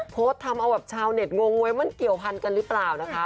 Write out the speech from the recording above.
ทำเอาแบบชาวเน็ตงงไว้มันเกี่ยวพันกันหรือเปล่านะคะ